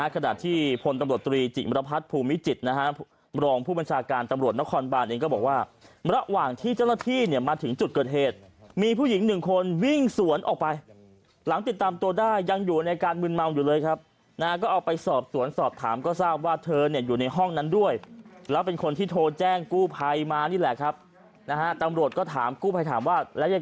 ขณะที่พลตำรวจตรีจิบรพัชฎ์ภูมิจิตร